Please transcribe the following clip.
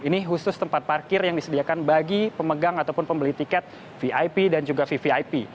ini khusus tempat parkir yang disediakan bagi pemegang ataupun pembeli tiket vip dan juga vvip